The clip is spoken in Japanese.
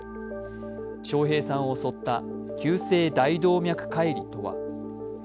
笑瓶さんを襲った急性大動脈解離とは。